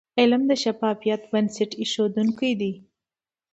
علم د شفافیت بنسټ ایښودونکی د.